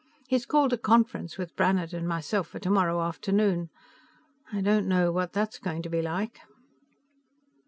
He's called a conference with Brannhard and myself for tomorrow afternoon; I don't know what that's going to be like."